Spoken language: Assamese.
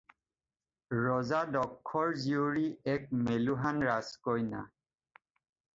ৰজা দক্ষৰ জীয়ৰী এক মেলুহান ৰাজকন্যা।